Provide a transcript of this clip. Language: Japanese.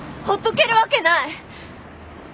ほっとけるわけない！